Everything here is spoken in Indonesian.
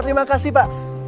terima kasih pak